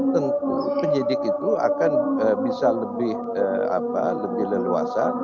tentu penyidik itu akan bisa lebih leluasa